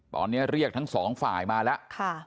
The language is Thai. ตอนนี้เรียกทั้งสองฝ่ายมาแล้ว